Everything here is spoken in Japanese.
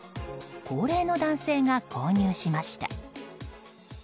高齢の男性が購入しました。